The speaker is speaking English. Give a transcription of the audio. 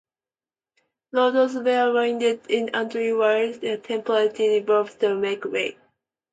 Roads were widened and utility wires temporarily removed to make way.